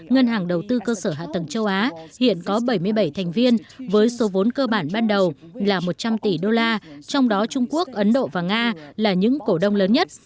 ngân hàng đầu tư cơ sở hạ tầng châu á hiện có bảy mươi bảy thành viên với số vốn cơ bản ban đầu là một trăm linh tỷ đô la trong đó trung quốc ấn độ và nga là những cổ đông lớn nhất